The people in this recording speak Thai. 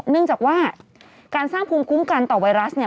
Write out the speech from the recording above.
เนื่องจากว่าการสร้างภูมิคุ้มกันต่อไวรัสเนี่ย